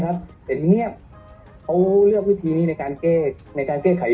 เห็นเงียบเขาเลือกวิธีนี้ในการแก้ในการแก้ไข